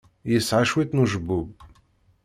Yesɛa cwiṭ n ucebbub.